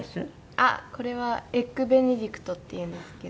「あっこれはエッグベネディクトっていうんですけど」